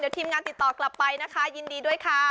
ทีมงานติดต่อกลับไปนะคะยินดีด้วยค่ะ